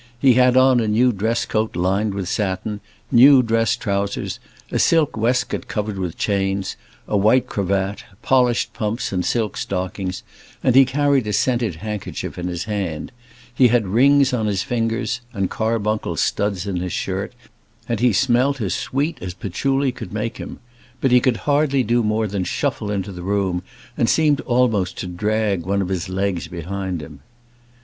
He had on a new dress coat lined with satin, new dress trousers, a silk waistcoat covered with chains, a white cravat, polished pumps, and silk stockings, and he carried a scented handkerchief in his hand; he had rings on his fingers, and carbuncle studs in his shirt, and he smelt as sweet as patchouli could make him. But he could hardly do more than shuffle into the room, and seemed almost to drag one of his legs behind him.